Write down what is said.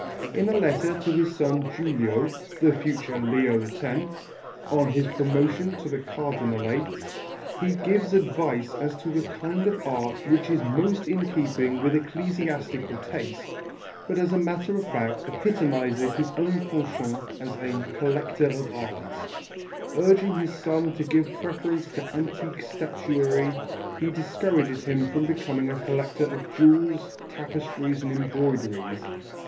In a letter to his son Giulio, the future Leo X, on his promotion to the Cardinalate, he gives advice as to the kind of art which is most in keeping with ecclesiastical taste, but as a matter of fact epitomizes his own penchant as a collector of art. Urging his son to give preference to antique statuary, he discourages him from becoming a collector of jewels, tapestries and embroideries.